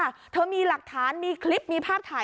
เธอมีหลักฐานมีคลิปมีภาพถ่าย